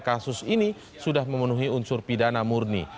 kasus ini sudah memenuhi unsur pidana murni